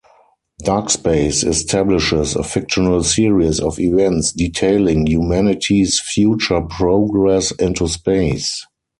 DarkSpace establishes a fictional series of events detailing humanity's future progress into space.